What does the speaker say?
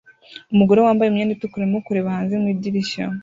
Umugore wambaye imyenda itukura arimo kureba hanze mu idirishya